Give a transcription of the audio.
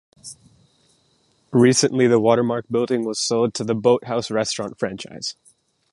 Recently the Watermark building was sold to The Boathouse restaurant franchise.